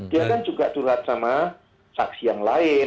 dia kan juga durhat sama saksi yang lain